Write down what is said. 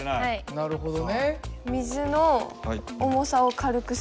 なるほど。